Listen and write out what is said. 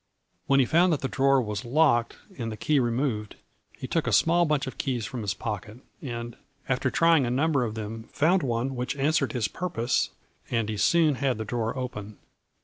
When he found that the drawer was locked and the key removed, he took a small bunch of keys from his pocket, and, after trying a number of them, found one which answered his purpose, and he soon had the drawer open.